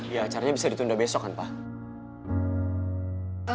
ya acaranya bisa ditunda besok kan pak